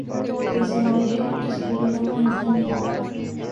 کوئی سوال ھے جس کو جواب مِلتا نیں